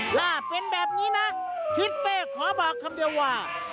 ถ้าเป็นแบบนี้นะทิศเป้ขอบอกคำเดียวว่า